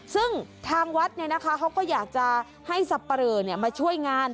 ซึ่งทางวัดเนี่ยนะคะเขาก็อยากจะให้สับปะเรอเนี่ยมาช่วยงาน